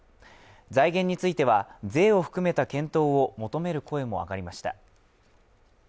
財源については、税を含めた検討を求める声も上がりました。